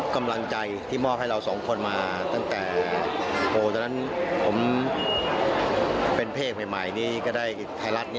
ได้นะคะเราของคนด้วยตลอด